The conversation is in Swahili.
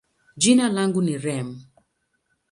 jina langu ni Reem.